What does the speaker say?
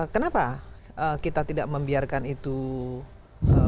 kenapa kita tidak membiarkan itu berjalan sebegitu